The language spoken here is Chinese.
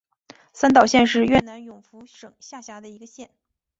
三岛县是越南永福省下辖的一个县。